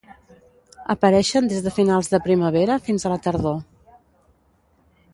Apareixen des de finals de primavera fins a la tardor.